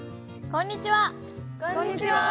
こんにちは！